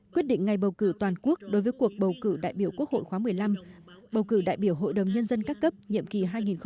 quyết định ngày bầu cử toàn quốc đối với cuộc bầu cử đại biểu quốc hội khóa một mươi năm bầu cử đại biểu hội đồng nhân dân các cấp nhiệm kỳ hai nghìn hai mươi một hai nghìn hai mươi sáu